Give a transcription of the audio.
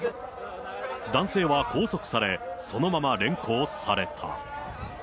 男性は拘束され、そのまま連行された。